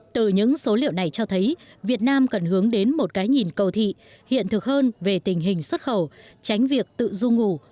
từ những số liệu này cho thấy việt nam cần hướng đến một cái nhìn cầu thị hiện thực hơn về tình hình xuất khẩu tránh việc tự du ngủ